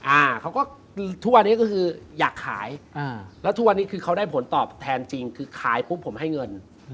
อ่าเขาก็คือทุกวันนี้ก็คืออยากขายอ่าแล้วทุกวันนี้คือเขาได้ผลตอบแทนจริงคือขายปุ๊บผมให้เงิน